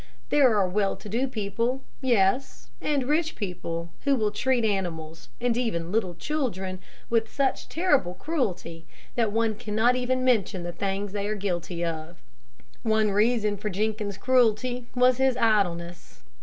There are well to do people, yes, and rich people, who will treat animals, and even little children, with such terrible cruelty, that one cannot even mention the things that they are guilty of. One reason for Jenkins' cruelty was his idleness.